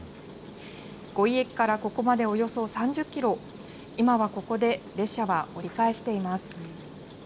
五井駅からここまでおよそ３０キロ、今はここで列車は折り返しています。